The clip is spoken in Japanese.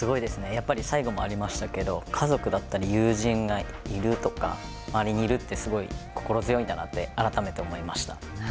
やっぱり最後もありましたけど家族だったり、友人がいるとか、周りにいるってすごい心強いんだなって改めて思いました。